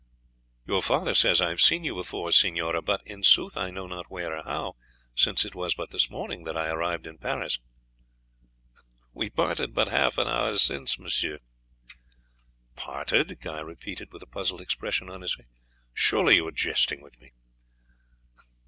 "Your father says I have seen you before, signora, but in sooth I know not where or how, since it was but this morning that I arrived in Paris." "We parted but half an hour since, monsieur." "Parted?" Guy repeated with a puzzled expression on his face. "Surely you are jesting with me."